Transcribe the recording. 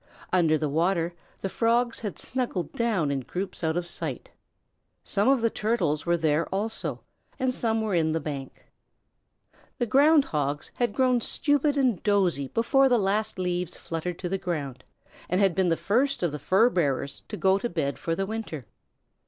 Under the water the Frogs had snuggled down in groups out of sight. Some of the Turtles were there also, and some were in the bank. The Ground Hogs had grown stupid and dozy before the last leaves fluttered to the ground, and had been the first of the fur bearers to go to bed for the winter.